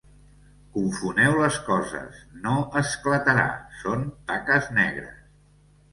Confoneu les coses, no esclatarà: són taques negres!